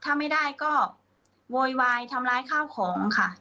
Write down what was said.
ถ้าไม่ได้ก็โวยวายทำร้ายข้าวของค่ะ